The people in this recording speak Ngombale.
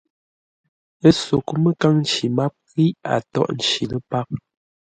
Ə́ sóghʼ məkâŋ nci máp ghíʼ a tóghʼ nci lə́ páp.